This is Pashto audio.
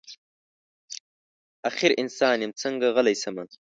اخر انسان یم څنګه غلی شمه.